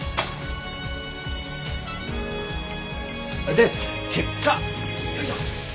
で結果よいしょ。